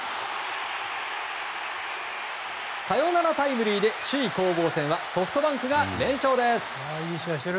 サヨナラタイムリーで首位攻防戦はソフトバンクが連勝です。